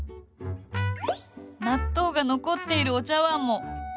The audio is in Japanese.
納豆が残っているお茶碗も。